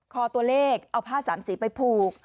คอตัวเลขเอาผ้าสามสีไปผูก